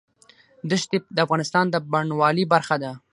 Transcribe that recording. دښتې د افغانستان د بڼوالۍ برخه ده.